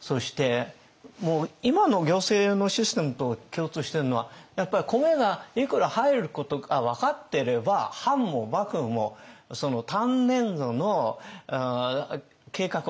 そして今の行政のシステムと共通しているのはやっぱり米がいくら入ることが分かってれば藩も幕府もその単年度の計画を立てられる予算計画を。